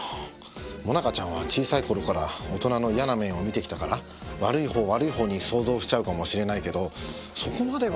萌奈佳ちゃんは小さい頃から大人の嫌な面を見てきたから悪いほう悪いほうに想像しちゃうかもしれないけどそこまでは。